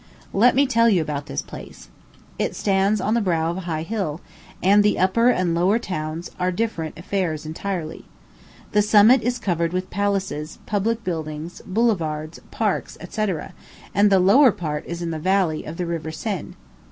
Let me tell you about this place. It stands on the brow of a high bill, and the upper and lower towns are different affairs entirely. The summit is covered with palaces, public buildings, boulevards, parks, &c, and the lower part is in the valley of the River Senne.